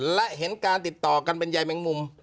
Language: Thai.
และเห็นการติดต่อกันเป็นใยแมงมุม